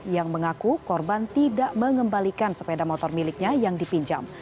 yang mengaku korban tidak mengembalikan sepeda motor miliknya yang dipinjam